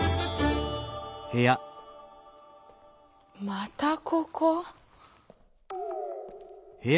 またここ？